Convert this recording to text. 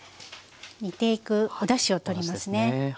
煮ていくおだしをとりますね。